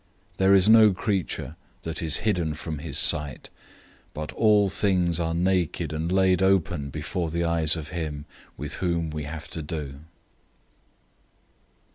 004:013 There is no creature that is hidden from his sight, but all things are naked and laid open before the eyes of him with whom we have to do.